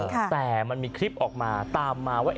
แต่มันมีคลิปออกมาตามมาว่า